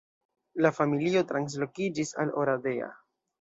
La familio translokiĝis al Oradea.